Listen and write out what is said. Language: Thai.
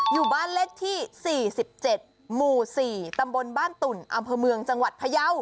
อยู่บ้านเลขที่๔๗หมู่๔ตำบลบ้านตุ่นอำเภอเมืองจังหวัดพยาว